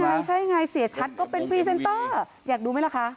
ใช่ใช่ไงเสียชัดก็เป็นพรีเซนเตอร์อยากดูไหมล่ะคะ